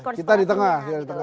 kita di tengah